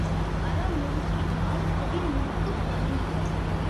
அற முறுக்கினால் கொடி முறுக்குப் படும்.